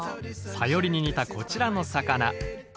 サヨリに似たこちらの魚。